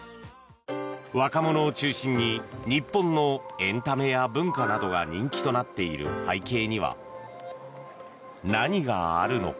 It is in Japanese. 若者を中心に日本のエンタメや文化などが人気となっている背景には何があるのか。